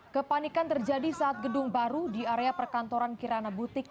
kepanikan terjadi saat gedung baru di area perkantoran kirana butik